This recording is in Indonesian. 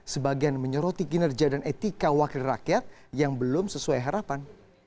sebagian menyoroti kinerja dan etika wakil rakyat yang belum sesuai harapan